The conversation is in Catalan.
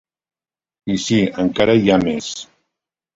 I sí, encara hi ha més.